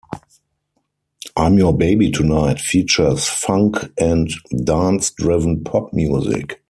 "I'm Your Baby Tonight" features funk and dance-driven pop music.